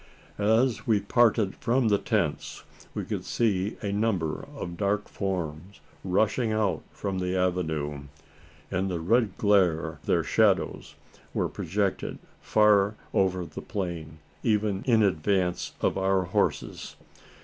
As we parted from the tents, we could see a number of dark forms rushing out from the avenue. In the red glare their shadows were projected far over the plain even in advance of our horses.